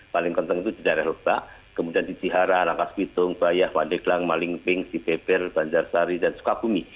paling kenteng itu darah rupak kemudian di cihara rangkas bitung bayah wadiklang malingping sipepel banjarsari dan sukabumi